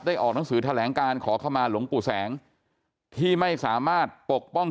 ออกหนังสือแถลงการขอเข้ามาหลวงปู่แสงที่ไม่สามารถปกป้อง